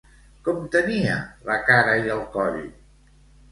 Com tenia la cara i el coll?